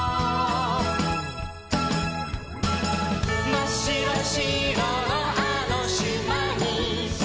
「まっしろしろのあのしまに」